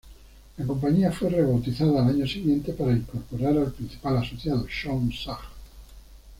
La compañía fue rebautizada al año siguiente para incorporar al principal asociado Shawn Sachs.